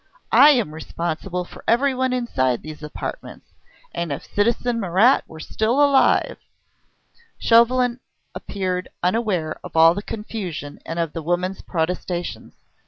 I am responsible for everyone inside these apartments ... and if citizen Marat were still alive " Chauvelin appeared unaware of all the confusion and of the woman's protestations.